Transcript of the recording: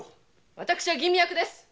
私は吟味役です！